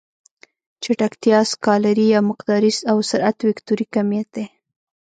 چټکتیا سکالري يا مقداري او سرعت وکتوري کميت دی.